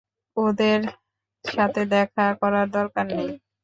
ওদের সাথে দেখা করার দরকার নেই।